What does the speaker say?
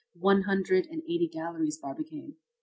"One hundred and eighty galleries, Barbicane."